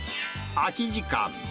空き時間。